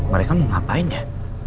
mereka mau ngapain ya